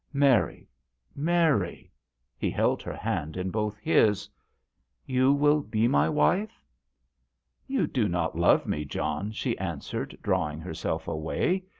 Mary Mary," he held her hand in both his " you will be my wife ?"" You do not love me, John," she answered, drawing herself away.